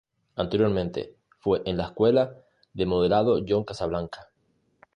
Anteriormente, fue en la escuela de modelado John Casablanca.